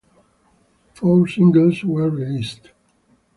Four singles were released.